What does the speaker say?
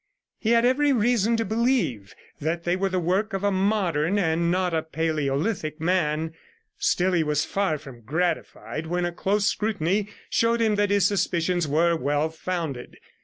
He had every reason to believe that they were the work of a modern and not a palaeolithic man; still he was far from gratified when a close scrutiny showed him that his suspicions were well founded.